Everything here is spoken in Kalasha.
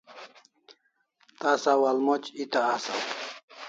Tasa walmoc eta asaw